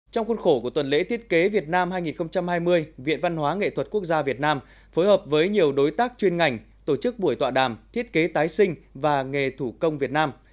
trong khuôn khổ của tuần lễ thiết kế việt nam hai nghìn hai mươi viện văn hóa nghệ thuật quốc gia việt nam phối hợp với nhiều đối tác chuyên ngành tổ chức buổi tọa đàm thiết kế tái sinh và nghề thủ công việt nam